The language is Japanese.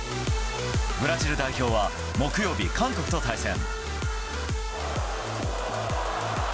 ブラジル代表は木曜日、韓国と対戦。